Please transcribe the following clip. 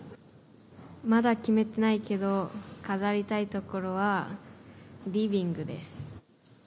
まだ決めてないけど、飾りたい所はリビングです。